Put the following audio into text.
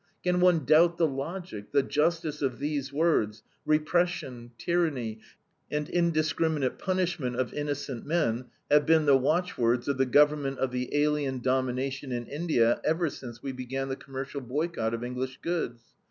Can one doubt the logic, the justice of these words: "Repression, tyranny, and indiscriminate punishment of innocent men have been the watchwords of the government of the alien domination in India ever since we began the commercial boycott of English goods.